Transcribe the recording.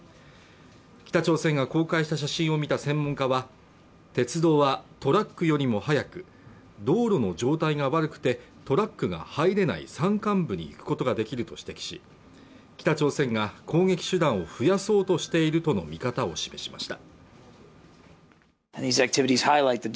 北朝鮮が公開した写真を見た専門家は鉄道はトラックよりも速く道路の状態が悪くてトラックが入れない山間部に行くことができると指摘し北朝鮮が攻撃手段を増やそうとしているとの見方を示しました